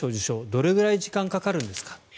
どれぐらい時間がかかるんですか。